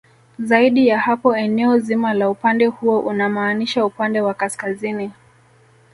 Zaidi ya hapo eneo zima la upande huo unamaanisha upande wa kaskazini